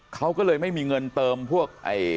เขาก็เลยไม่มีเงินเติมพวก